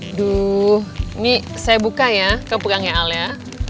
aduh ini saya buka ya keperangnya al ya